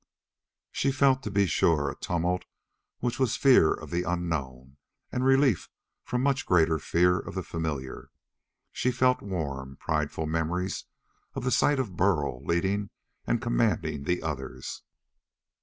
She felt, to be sure, a tumult which was fear of the unknown and relief from much greater fear of the familiar. She felt warm, prideful memories of the sight of Burl leading and commanding the others.